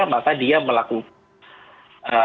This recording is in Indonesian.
maka dia melakukan